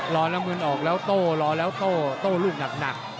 รอน้ำเงินออกแล้วโต้รอแล้วโต้โต้ลูกหนัก